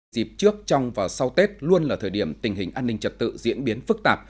dịp trước trong và sau tết luôn là thời điểm tình hình an ninh trật tự diễn biến phức tạp